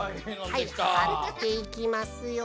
はいはっていきますよ。